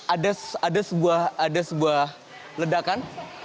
ada sebuah ledakan